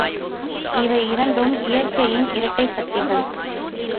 இவை இரண்டும் இயற்கையின் இரட்டை சக்திகள்!